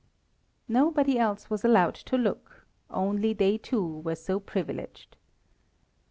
Nobody else was allowed to look; only they two were so privileged.